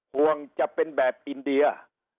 ห่วงจะเป็นแบบอินเดีย